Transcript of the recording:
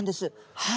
はい。